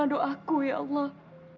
doaku ya allah